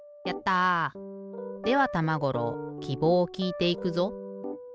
やった！ではたまごろうきぼうをきいていくぞ。